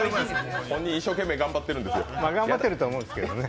本人一生懸命頑張ってるんですよ。